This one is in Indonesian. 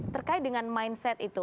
terkait dengan mindset itu